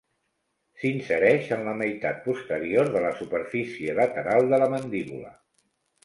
S'insereix en la meitat posterior de la superfície lateral de la mandíbula.